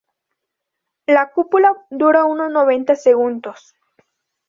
La cópula dura unos noventa segundos.